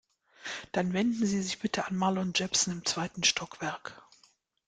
Dann wenden Sie sich bitte an Marlon Jepsen im zweiten Stockwerk.